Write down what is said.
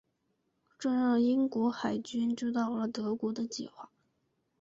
这让英国海军知道了德国的计划。